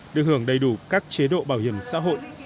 được hưởng đầy đủ các chế độ bảo hiểm xã hội